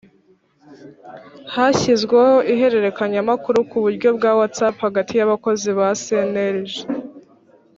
hashyizweho ihererekanyamakuru ku buryo bwa watsap hagati y abakozi ba cnlg